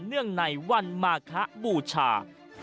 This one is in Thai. เนื่องในวันมาคะบูชา